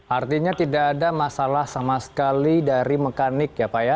artinya tidak ada masalah sama sekali dari mekanik ya pak ya